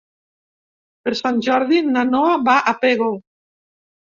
Per Sant Jordi na Noa va a Pego.